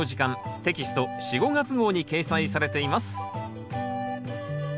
テキスト４・５月号に掲載されています